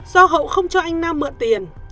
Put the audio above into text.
do hậu không cho anh nam mượn tiền